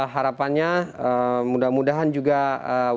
baik harapannya mudah mudahan juga wisma akan berhasil